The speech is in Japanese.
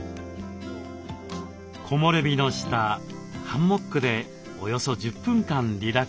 木漏れ日の下ハンモックでおよそ１０分間リラックス。